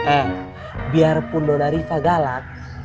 eh biarpun nona riva galak